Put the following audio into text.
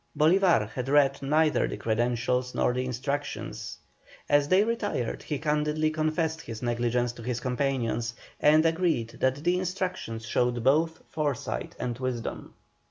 Bolívar had read neither the credentials nor the instructions. As they retired, he candidly confessed his negligence to his companions, and agreed that the instructions showed both foresight and wisdom.